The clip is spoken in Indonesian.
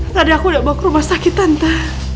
tadi aku udah bawa ke rumah sakit tante